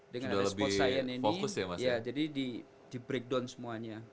dengan ada sports science ini jadi di breakdown semuanya